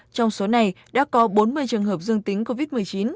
trong số này đã có bốn mươi trường hợp dương tính covid một mươi chín